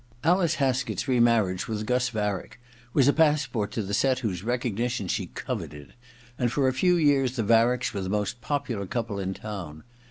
Alice Haskett's remarriage with Gus Varick was a passport to the set whose recognition she coveted, and for a few years the Varicks were the most popular couple in town.